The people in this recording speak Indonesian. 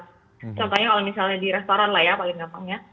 contohnya kalau misalnya di restoran lah ya paling gampangnya